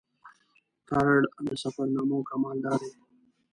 تارړ د سفرنامو کمال دا دی.